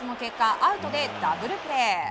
アウトでダブルプレー。